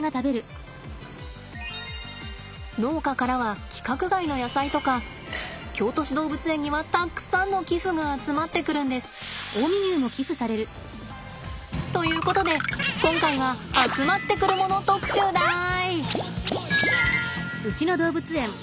農家からは規格外の野菜とか京都市動物園にはたくさんの寄付が集まってくるんです。ということで今回は集まってくるもの特集だい。